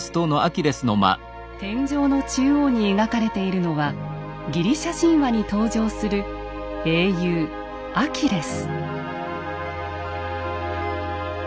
天井の中央に描かれているのはギリシャ神話に登場する英雄アキレス。